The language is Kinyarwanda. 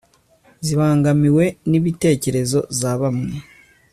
zibangamiwe n'ibitekerezo za bamwe